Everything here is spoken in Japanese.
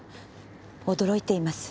驚いています。